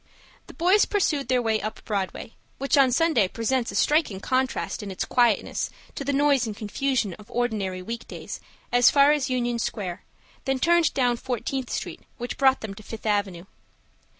The boys pursued their way up Broadway, which on Sunday presents a striking contrast in its quietness to the noise and confusion of ordinary week days, as far as Union Square, then turned down Fourteenth Street, which brought them to Fifth Avenue.